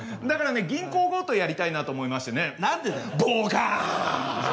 だからね銀行強盗やりたいなと思いましてね。